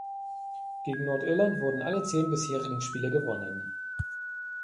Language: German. Gegen Nordirland wurden alle zehn bisherigen Spiele gewonnen.